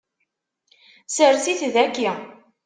Sres-it daki.